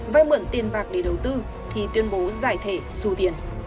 vai mượn tiền bạc để đầu tư thì tuyên bố giải thể su tiền